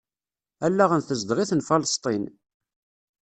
Allaɣen tezdeɣ-iten Falesṭin.